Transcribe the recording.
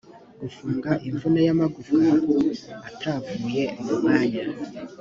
gufunga imvune y’amagufwa atavuye mu mwanya